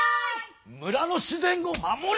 村の自然を守れ！